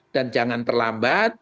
dan jangan terlambat